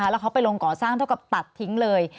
แล้วเขาไปลงก่อสร้างเท่ากับตัดทิ้งเลย